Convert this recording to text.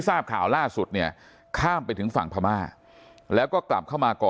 ทราบข่าวล่าสุดเนี่ยข้ามไปถึงฝั่งพม่าแล้วก็กลับเข้ามาก่อ